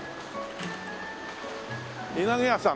稲毛屋さん。